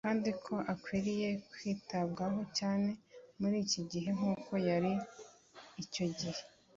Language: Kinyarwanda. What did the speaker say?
kandi ko akwiriye kwitabwaho cyane muri iki gihe nk'uko yari ari icyo gihe